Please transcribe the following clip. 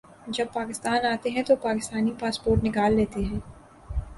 جب پاکستان آتے ہیں تو پاکستانی پاسپورٹ نکال لیتے ہیں